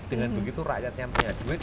dengan begitu rakyatnya punya duit